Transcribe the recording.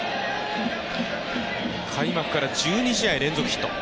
開幕から１２試合連続のヒット。